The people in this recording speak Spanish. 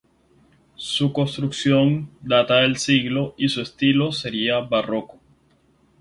Su construcción data del siglo y su estilo sería barroco.